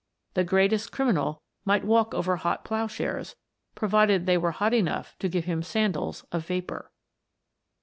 The greatest criminal might walk over hot ploughshares, provided they were hot enough to give him sandals of vapour.